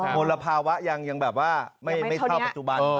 มลภาวะยังแบบว่าไม่เท่าปัจจุบัน